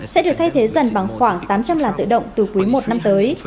sẽ được thay thế dần bằng khoảng tám trăm linh làn tự động từ quý một năm tới